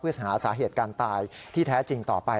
เพื่อหาสาเหตุการตายที่แท้จริงต่อไป